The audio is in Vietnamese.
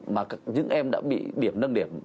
mà những em đã bị điểm nâng điểm